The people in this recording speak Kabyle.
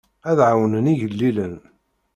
Ad ɛawnen igellilen.